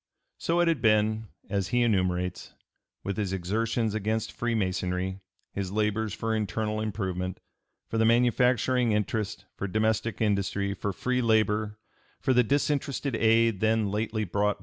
So it had been, as he enumerates, with his exertions against Freemasonry, his labors for internal improvement, for the manufacturing interest, for domestic industry, for free labor, for the disinterested aid then lately brought (p.